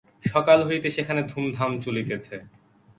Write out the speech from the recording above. সকাল হইতে সেখানে ধুমধাম চলিতেছে।